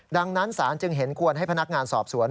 ดังนั้นศาลจึงเห็นควรให้พนักงานสอบสวน